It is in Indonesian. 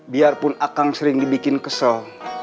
biarpun akang sering dibikin kesel